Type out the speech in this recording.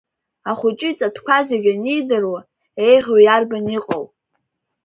Ахәыҷы иҵатәқәа зегь анидыруа, еиӷьу иарбан иҟоу!